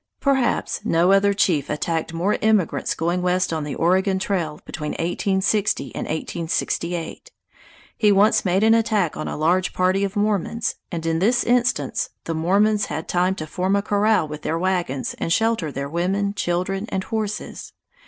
Perhaps no other chief attacked more emigrants going west on the Oregon Trail between 1860 and 1868. He once made an attack on a large party of Mormons, and in this instance the Mormons had time to form a corral with their wagons and shelter their women, children, and horses.